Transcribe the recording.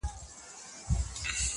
• څه غزل غزل راګورې څه ټپه ټپه ږغېږې,